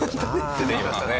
出てきましたね